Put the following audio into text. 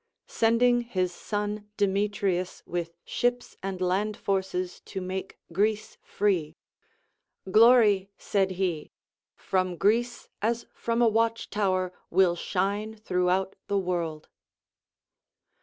Sending his son Demetrius with ships and land forces to make Greece free ; Glory, said he, from Greece, as from a watch tower, will shine through out the Avorld.